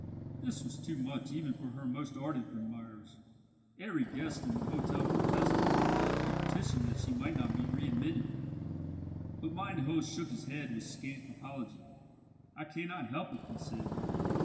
This was too much even for her most ardent admirers. Every guest in the hotel protested, and petitioned that she might not be readmitted. But mine host shook his head with scant apology. "I cannot help it," he said.